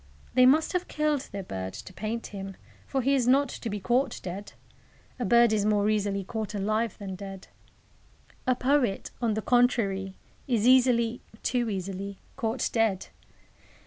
They must have killed their bird to paint him, for he is not to be caught dead. A bird is more easily caught alive than dead. A poet, on the contrary, is easily too easily caught dead.